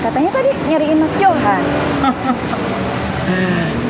katanya tadi nyariin mas johan